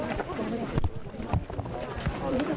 หลังจากที่สุดยอดเย็นหลังจากที่สุดยอดเย็น